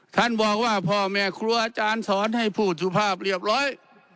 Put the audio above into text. ท่านบอกว่าพ่อแม่ครัวอาจารย์สอนให้ผู้สุภาพเรียบร้อย